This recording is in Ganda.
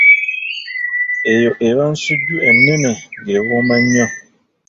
Eyo eba nsujju ennene ng'ewooma nnyo.